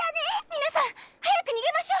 ⁉皆さん早く逃げましょう！